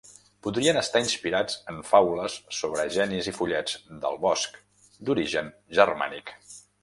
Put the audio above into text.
Podrien estar inspirats en faules sobre genis i follets del bosc, d'origen germànic.